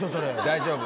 大丈夫